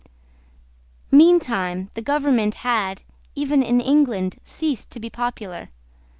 Meantime the government had, even in England, ceased to be popular.